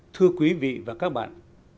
thưa quý vị và các bạn